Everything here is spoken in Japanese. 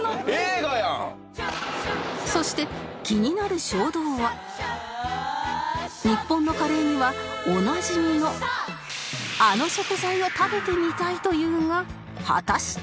そして気になる衝動は日本のカレーにはおなじみのあの食材を食べてみたいというが果たして